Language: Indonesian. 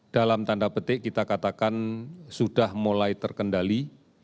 dalam tanda petik kita katakan sudah mulai terkendali